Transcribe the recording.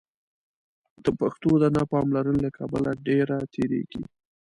د پښتو د نه پاملرنې له کبله ډېره تېرېږي.